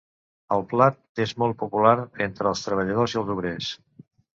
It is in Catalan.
El plat és molt popular entre els treballadors i els obrers.